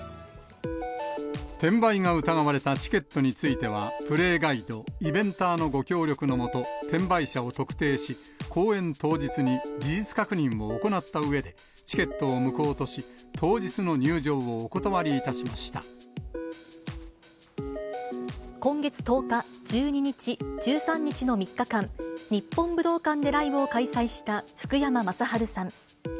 転売が疑われたチケットについては、プレイガイド、イベンターのご協力の下、転売者を特定し、公演当日に事実確認を行ったうえで、チケットを無効とし、当日の今月１０日、１２日、１３日の３日間、日本武道館でライブを開催した福山雅治さん。